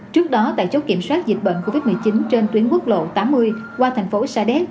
trước đó tại chốt kiểm soát dịch bệnh covid một mươi chín trên tuyến quốc lộ tám mươi qua thành phố sa đéc